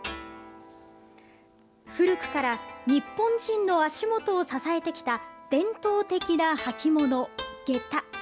古くから日本人の足元を支えてきた伝統的な履物、げた。